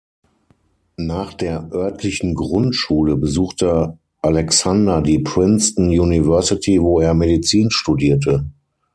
Nach der örtlichen Grundschule besuchte Alexander die Princeton University, wo er Medizin studierte.